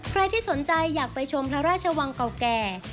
ใครที่สนใจอยากไปชมพระราชวังเก่าแก่